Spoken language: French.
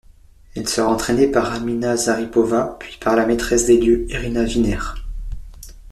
Elle sera entraînée par Amina Zaripova, puis par la maîtresse des lieux, Irina Viner.